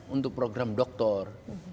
untuk program dokter